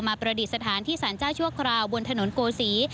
ประดิษฐานที่สารเจ้าชั่วคราวบนถนนโกศี